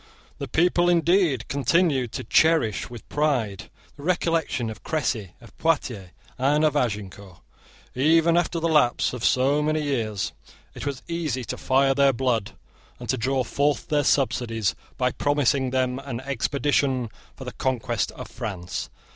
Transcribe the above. The people, indeed, continued to cherish with pride the recollection of Cressy, of Poitiers, and of Agincourt. Even after the lapse of many years it was easy to fire their blood and to draw forth their subsidies by promising them an expedition for the conquest of France.